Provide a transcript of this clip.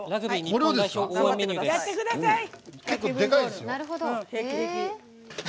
結構、でかいですよ。